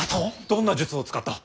どんな術を使った。